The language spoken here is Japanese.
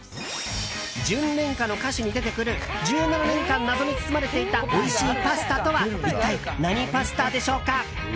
「純恋歌」の歌詞に出てくる１７年間、謎に包まれていた「おいしいパスタ」とは一体何パスタでしょうか？